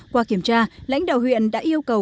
qua kiểm tra lãnh đạo huyện đã yêu cầu